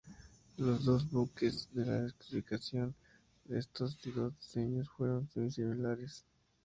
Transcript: Los dos buques de la especificación de estos y los diseños fueron muy similares.